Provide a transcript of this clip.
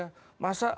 masa pelanggaran hukum